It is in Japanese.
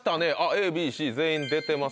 ＡＢＣ全員出てますが。